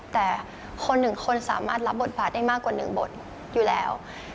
แต่คนหนึ่งคนสามารถรับบทบาทได้มากกว่า๑บทอยู่แล้ว